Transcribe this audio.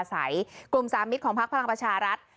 ใส่กลุ่ม๓มิตรของพลักษณ์พลังประชารัฐ